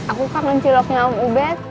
aku kan menciloknya om ubed